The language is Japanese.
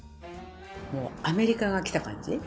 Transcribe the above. もうアメリカが来た感じ？